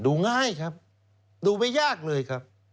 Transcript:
ง่ายครับดูไม่ยากเลยครับ